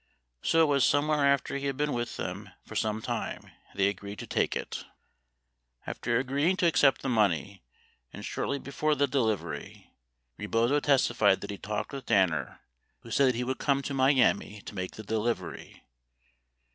So it was somewhere after he had been with them for some time they agreed to take it. 92 After agreeing to accept the money, and shortly before the delivery, Rebozo testified that he talked with Danner, who said he would come to Miami to make the delivery.